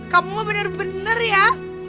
kamu mah bener bener ya